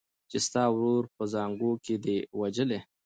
چي ستا ورور یې په زانګو کي دی وژلی